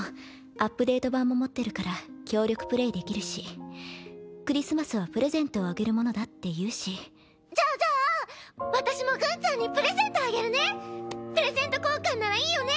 アップデート版も持ってるから協力プレーできるしクリスマスはプレゼントをあげるものだって言うしじゃあじゃあ私もぐんちゃんプレゼント交換ならいいよね？